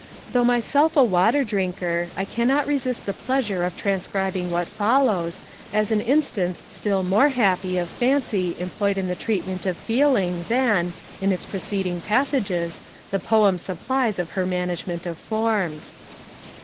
Though myself a water drinker, I cannot resist the pleasure of transcribing what follows, as an instance still more happy of Fancy employed in the treatment of feeling than, in its preceding passages, the Poem supplies of her management of forms.